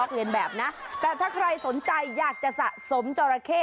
แต่ใครสนใจอยากจะสะสมจอร์ระเข้